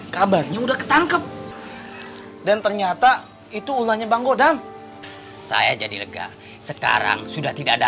kabarnya udah ketangkep dan ternyata itu ulahnya bang godam saya jadi lega sekarang sudah tidak ada